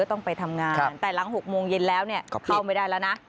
ต้องไปทำงานแต่หลัง๖โมงเย็นแล้วเนี่ยเข้าไม่ได้แล้วนะ